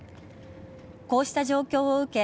こうした状況を受け